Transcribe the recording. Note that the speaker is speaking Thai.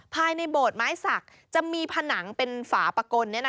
ภายในโบสถ์ไม้สักจะมีผนังเป็นฝาปะกล